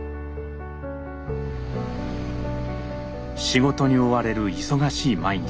仕事に追われる忙しい毎日。